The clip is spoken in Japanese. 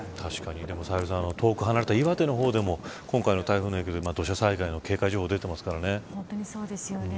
サヘルさん、遠く離れた岩手の方でも今回の台風の影響で土砂災害警戒情報が本当にそうですよね。